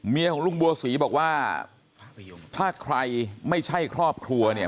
ของลุงบัวศรีบอกว่าถ้าใครไม่ใช่ครอบครัวเนี่ย